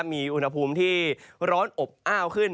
มีอุณหภูมิที่ร้อนอบอ้าวขึ้น